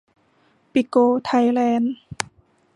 ปิโก ไทยแลนด์